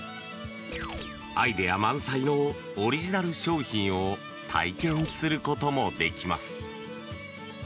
アイデア満載のオリジナル商品を体験することもできます。